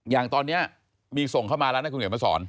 อย่างตอนนี้มีส่งเข้ามาแล้วนะคุณเดี๋ยวมาสอน